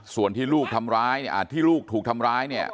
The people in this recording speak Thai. ส่วนที่ลูกทำร้ายที่ลูกถูกทำร้าย